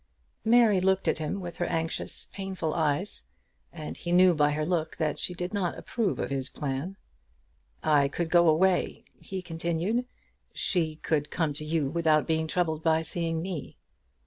Mary looked at him with her anxious, painful eyes, and he knew by her look that she did not approve of his plan. "I could go away," he continued. "She could come to you without being troubled by seeing me.